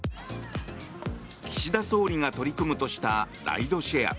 岸田総理が取り組むとしたライドシェア。